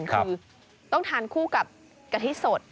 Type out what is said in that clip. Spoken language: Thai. คือต้องทานคู่กับกะทิสด